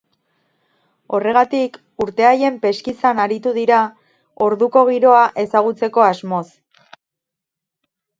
Horregatik, urte haien peskizan aritu dira, orduko giroa ezagutzeko asmoz.